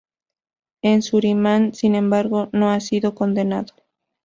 En Surinam sin embargo no ha sido condenado.